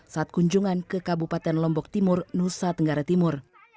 saat kunjungan ke kabupaten lombok timur nusa tenggara timur